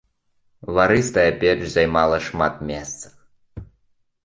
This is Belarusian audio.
Варыстая печ займала шмат месца.